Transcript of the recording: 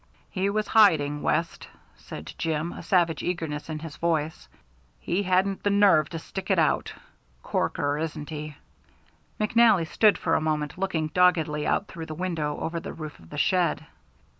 "He was hiding, West," said Jim, a savage eagerness in his voice. "He hadn't the nerve to stick it out. Corker, isn't he?" McNally stood for a moment looking doggedly out through the window over the roof of the shed.